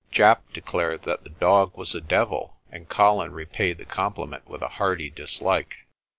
Japp declared that the dog was a devil, and Colin repaid the compliment with a hearty dislike.